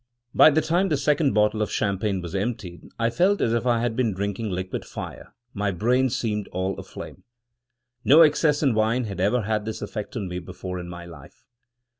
By the time the second bottle of Champagne was emptied, I felt as if I had been drinking liquid fire — my brain seemed all aflame. No excess in wine had ever had this effect on me before in my life.